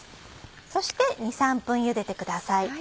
そして２３分ゆでてください。